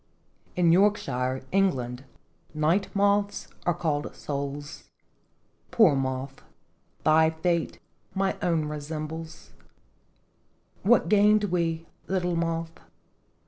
. In Yorkshire, England, night moths are called souls. Poor moth ! thy fate my own resembles What gained we, little moth